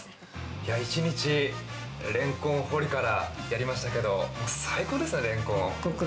いや、１日レンコン堀りからやりましたけど最高ですね、レンコン。